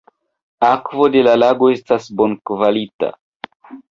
Akvo de la lago estas bonkvalita.